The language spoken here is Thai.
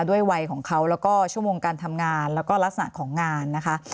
ด้วยวัยของเขาแล้วก็ชั่วโมงการทำงานแล้วก็ลักษณะของงานนะคะ